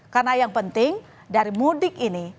karena yang penting dari mudik ini